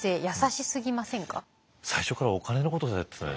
最初からお金のことでやってたね。